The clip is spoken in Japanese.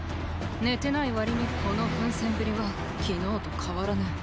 寝てないわりにこの奮戦ぶりは昨日と変わらぬ。